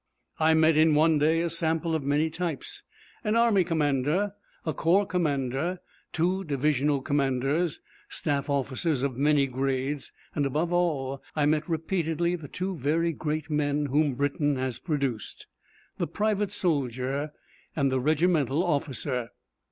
I met in one day a sample of many types, an Army commander, a corps commander, two divisional commanders, staff officers of many grades, and, above all, I met repeatedly the two very great men whom Britain has produced, the private soldier and the regimental officer.